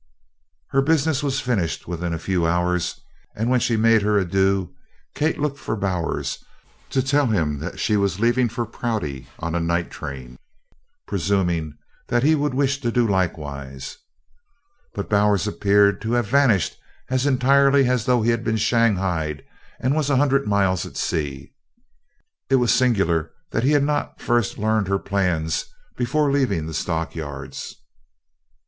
Her business was finished within a few hours and when she made her adieu, Kate looked for Bowers to tell him that she was leaving for Prouty on a night train, presuming that he would wish to do likewise. But Bowers appeared to have vanished as entirely as though he had been shanghaied and was a hundred miles at sea. It was singular that he had not first learned her plans before leaving the stockyards.